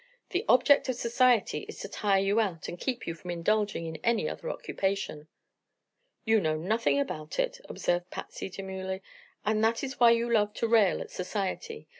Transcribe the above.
The object of society is to tire you out and keep you from indulging in any other occupation." "You know nothing about it," observed Patsy, demurely, "and that is why you love to rail at society.